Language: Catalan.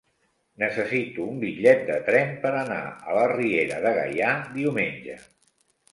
Necessito un bitllet de tren per anar a la Riera de Gaià diumenge.